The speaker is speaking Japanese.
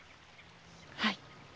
はい。